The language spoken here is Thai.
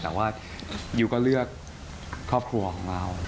แต่ว่ายูก็เลือกครอบครัวของเรา